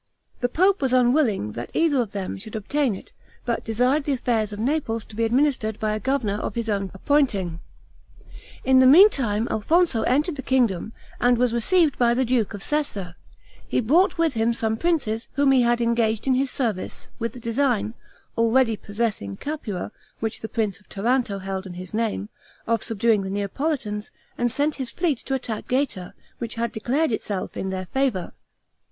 The pope was unwilling that either of them should obtain it; but desired the affairs of Naples to be administered by a governor of his own appointing. In the meantime Alfonso entered the kingdom, and was received by the duke of Sessa; he brought with him some princes, whom he had engaged in his service, with the design (already possessing Capua, which the prince of Taranto held in his name) of subduing the Neapolitans, and sent his fleet to attack Gaeta, which had declared itself in their favor.